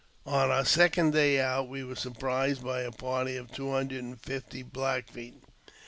On our second day out, w^l were surprised by a party of two hundred and fifty Black < Feet.